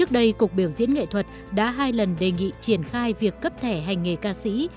trước đây cục biểu diễn nghệ thuật đã hai lần đề nghị triển khai việc cấp thẻ hành nghề ca sĩ